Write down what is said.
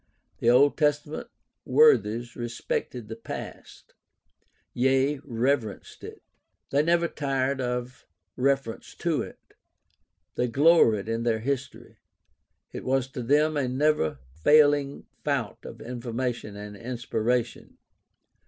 The Old Testament worthies respected the past; yea, reverenced it. They never tired of reference to it. They gloried in their history; it was to them a never failing fount of information and inspiration.